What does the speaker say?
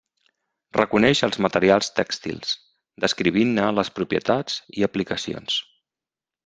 Reconeix els materials tèxtils, descrivint-ne les propietats i aplicacions.